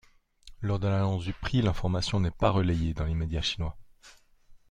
Lors de l'annonce du prix, l'information n'est pas relayée dans les médias chinois.